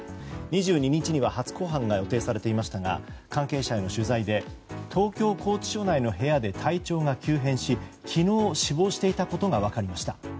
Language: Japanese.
２２日には初公判が予定されていましたが関係者への取材で東京拘置所内の部屋で体調が急変し昨日、死亡していたことが分かりました。